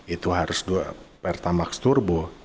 itu harus dua pertamax turbo